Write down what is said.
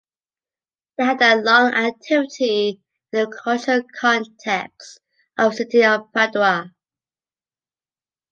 They had a long activity in the cultural context of the city of Padua.